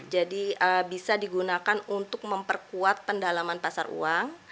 jadi bisa digunakan untuk memperkuat pendalaman pasar uang